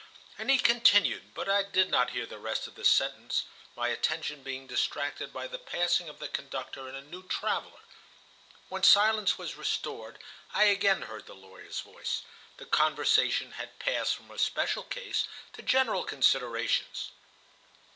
. And he continued, but I did not hear the rest of the sentence, my attention being distracted by the passing of the conductor and a new traveller. When silence was restored, I again heard the lawyer's voice. The conversation had passed from a special case to general considerations.